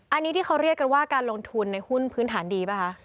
อันนี้ที่เขาเรียกกันว่าการลงทุนในหุ้นพื้นฐานดีป่ะคะ